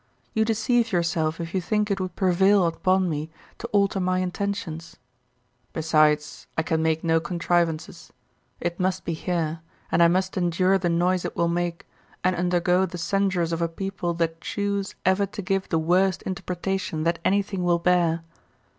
You deceive yourself if you think it would prevail upon me to alter my intentions; besides, I can make no contrivances; it must be here, and I must endure the noise it will make, and undergo the censures of a people that choose ever to give the worst interpretation that anything will bear.